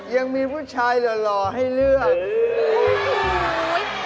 ยังมีผู้ชายหล่อให้เลือก